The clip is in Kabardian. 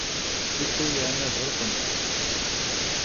Bıde yi ane ğırkhım.